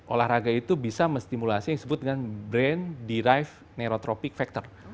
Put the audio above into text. olahraga itu bisa memstimulasi yang disebut dengan brain derived neurotrophic factor